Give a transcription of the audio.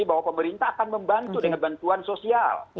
bahwa pemerintah akan membantu dengan bantuan sosial